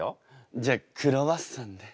じゃあクロワッサンで。